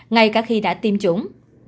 ngay cả khi đã tiêm chủng